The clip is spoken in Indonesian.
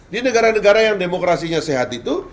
di negara negara yang demokrasinya sehat itu